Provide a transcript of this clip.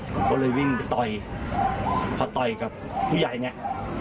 ผมก็เลยวิ่งไปต่อยพอต่อยกับผู้ใหญ่เนี่ย